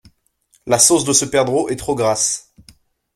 La sauce de ce perdreau est trop grasse!